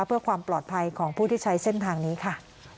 เพื่อความปลอดภัยของผู้ที่ใช้เส้นทางนี้ค่ะ